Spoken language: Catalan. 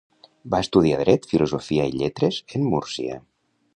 Va estudiar Dret, Filosofia i Lletres en Múrcia.